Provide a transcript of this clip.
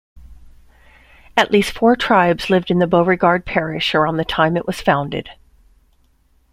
At least four tribes lived in Beauregard Parish around the time it was founded.